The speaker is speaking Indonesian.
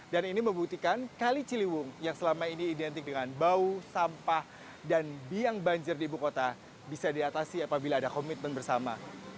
dan ini membuktikan kali ciliwung yang selama ini identik dengan bau sampah dan biang banjir di ibu kota bisa diatasi apabila ada komitmen bersama